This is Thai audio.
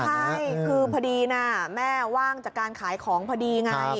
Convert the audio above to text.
ใช่คือพอดีนะแม่ว่างจากการขายของพอดีไง